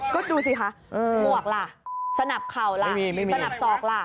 ก็ดูสิคะหมวกล่ะสนับเข่าล่ะสนับสอกล่ะ